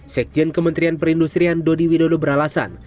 sekjen kementerian perindustrian dodi widodo beralasan